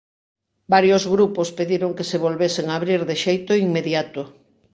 Varios grupos pediron que se volvesen abrir de xeito inmediato.